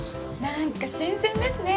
なんか新鮮ですね！